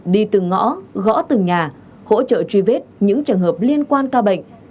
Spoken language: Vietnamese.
đi từ ngõ gõ từ nhà hỗ trợ truy vết những trường hợp liên quan ca bệnh